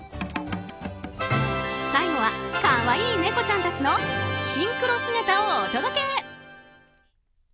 最後は可愛いネコちゃんたちのシンクロ姿をお届け。